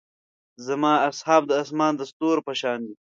زما اصحاب د اسمان د ستورو پۀ شان دي.